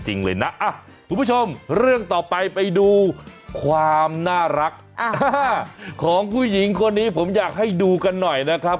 คุณผู้ชมเรื่องต่อไปไปดูความน่ารักของผู้หญิงคนนี้ผมอยากให้ดูกันหน่อยนะครับ